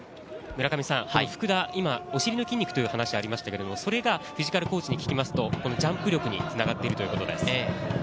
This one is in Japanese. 福田、おしりの筋肉という話がありましたが、それがフィジカルコーチに聞くと、ジャンプ力につながっているということです。